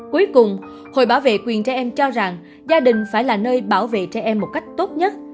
cuối cùng hội bảo vệ quyền trẻ em cho rằng gia đình phải là nơi bảo vệ trẻ em một cách tốt nhất